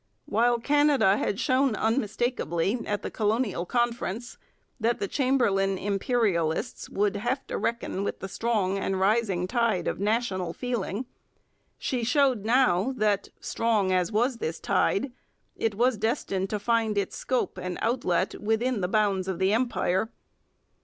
While Canada had shown unmistakably at the Colonial Conference that the Chamberlain imperialists would have to reckon with the strong and rising tide of national feeling, she showed now that, strong as was this tide, it was destined to find scope and outlet within the bounds of the Empire.